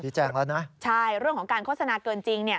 ชี้แจงแล้วนะใช่เรื่องของการโฆษณาเกินจริง